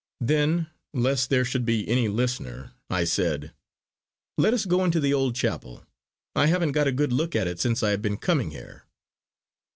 Then, lest there should be any listener, I said: "Let us go into the old chapel. I haven't had a good look at it since I have been coming here!"